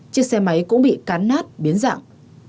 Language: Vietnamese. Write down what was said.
chiếc xe máy cũng bị cán nát biến dạng